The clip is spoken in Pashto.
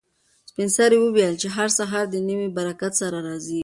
سپین سرې وویل چې هر سهار د نوي برکت سره راځي.